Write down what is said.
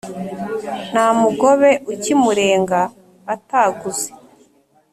Nta mugobe ukimurenga ataguze.